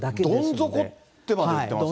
どん底ってまで言ってますから。